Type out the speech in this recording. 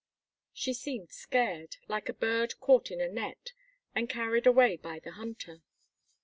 She seemed scared, like a bird caught in a net, and carried away by the hunter.